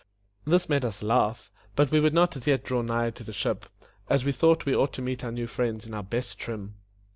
This made us laugh, but we would not as yet draw nigh to the ship, as we thought we ought to meet our new friends in our best trim.